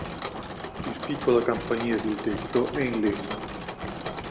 Il piccolo campanile sul tetto è in legno.